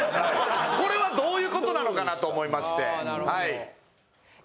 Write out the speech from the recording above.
これはどういうことなのかなと思いましてはい。